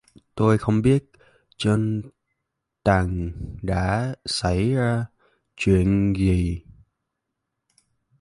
tôi không biết trên tầng đã xảy ra chuyện gì